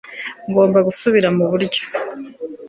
ngomba gusubira muburyo